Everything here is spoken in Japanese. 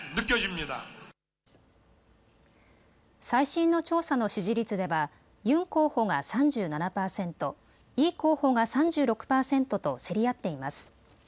最新の調査の支持率ではユン候補が３７％、イ候補が３６％と競り合っています。